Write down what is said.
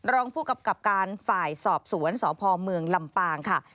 รองผู้กำกับการฝ่ายสอบสวนสพเมืองลำปางค่ะ